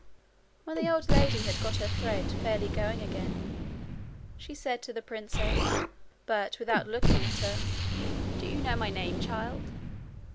When the old lady had got her thread fairly going again, she said to the princess, but without looking at her: 'Do you know my name, child?'